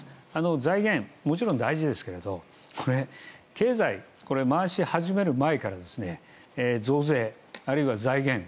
財源も、もちろん大事ですが経済、これ回し始める前から増税、あるいは財源。